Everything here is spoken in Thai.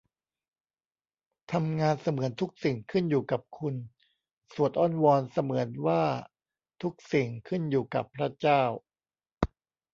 ทำงานเสมือนทุกสิ่งขึ้นอยู่กับคุณ สวดอ้อนวอนเสมือนว่าทุกสิ่งขึ้นอยู่กับพระเจ้า